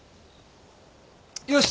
よし！